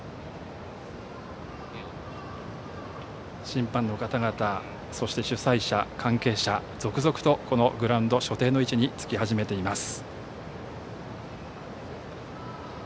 審判の方々、主催者、関係者続々とグラウンド所定の位置につき始めています。